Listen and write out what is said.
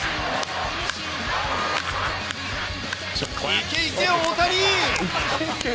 いけいけ、大谷！